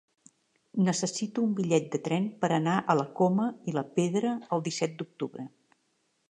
Necessito un bitllet de tren per anar a la Coma i la Pedra el disset d'octubre.